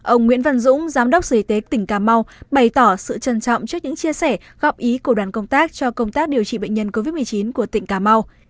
ông nguyễn văn dũng giám đốc sở y tế tỉnh cà mau bày tỏ sự trân trọng trước những chia sẻ góp ý của đoàn công tác cho công tác điều trị bệnh nhân covid một mươi chín của tỉnh cà mau